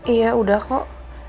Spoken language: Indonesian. iya udah kok